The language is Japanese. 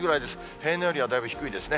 平年よりはだいぶ低いですね。